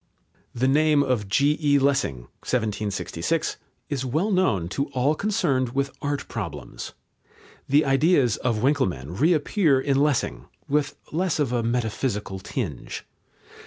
The name of G.E. Lessing (1766) is well known to all concerned with art problems. The ideas of Winckelmann reappear in Lessing, with less of a metaphysical tinge.